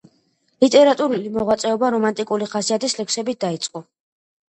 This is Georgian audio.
ლიტერატურული მოღვაწეობა რომანტიკული ხასიათის ლექსებით დაიწყო.